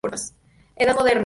Edad moderna.